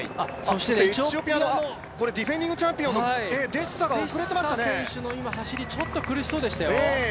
エチオピアのディフェンディングチャンピオンのデシサ選手の走り、ちょっと苦しそうでしたよ。